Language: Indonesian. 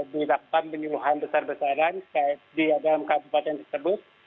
dilakukan penyuluhan besar besaran di dalam kabupaten tersebut